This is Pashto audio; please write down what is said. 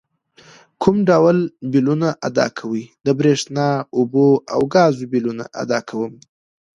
کوم ډول بیلونه ادا کوئ؟ د بریښنا، اوبو او ګازو بیلونه ادا کوم